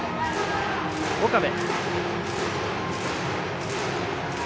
岡部。